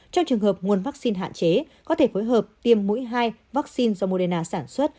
trong trường hợp nguồn vaccine hạn chế có thể phối hợp tiêm mũi hai vaccine do moderna sản xuất